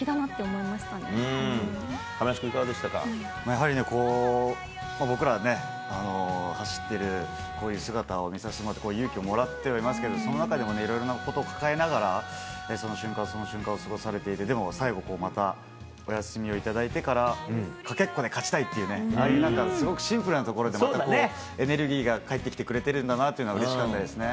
やはりね、僕らはね、走ってる、こういう姿を見させてもらって、勇気をもらってはいますけれども、その中でもいろいろなことを抱えながら、その瞬間、その瞬間を過ごされている、でも、最後、またお休みを頂いてから、かけっこで勝ちたいっていうね、なんか、すごくシンプルなところで、またね、エネルギーが帰ってきてくれてるんだなというのはうれしかったですね。